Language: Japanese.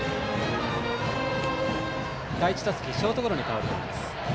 第１打席、ショートゴロに倒れています。